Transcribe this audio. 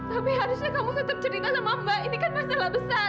tapi harusnya kamu tetap cerita sama mbak ini kan masalah besar